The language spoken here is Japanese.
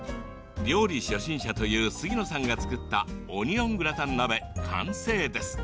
料理初心者の杉野さんが作ったオニオングラタン鍋の完成です。